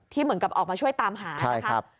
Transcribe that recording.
ที่เหมือนกับออกมาช่วยตามฮานะครับใช่ครับ